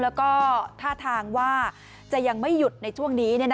แล้วก็ท่าทางว่าจะยังไม่หยุดในช่วงนี้